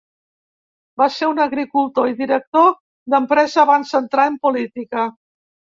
Va ser un agricultor i director d'empresa abans d'entrar en política.